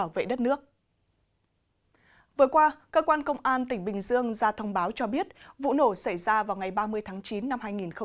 vừa qua cơ quan công an tỉnh bình dương ra thông báo cho biết vụ nổ xảy ra vào ngày ba mươi tháng chín năm hai nghìn hai mươi ba